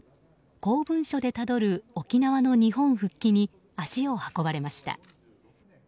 「公文書でたどる沖縄の日本復帰」に足を運ばれました。